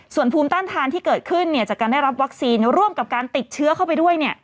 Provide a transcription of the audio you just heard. ส่วนภูมิต้านทานที่เกิดขึ้นจากการได้รับวัคซีนร่วมกับการติดเชื้อเข้าไปด้วย